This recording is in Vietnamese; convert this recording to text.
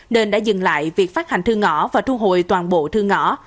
nên đã dừng lại việc phát hành thư ngõ và thu hồi toàn bộ thư ngõ